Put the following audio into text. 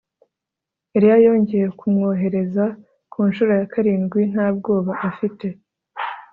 Eliya yongeye kumwohereza ku ncuro ya karindwi nta bwoba afite